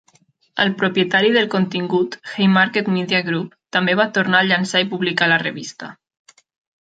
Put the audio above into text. El propietari del contingut, Haymarket Media Group, també va tornar a llençar i publicar la revista.